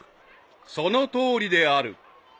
［そのとおりである］